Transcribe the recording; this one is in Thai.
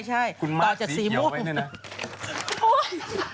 คุณมาสสีเขียวไว้ด้วยนะต่อจากสีม่วงโอ๊ย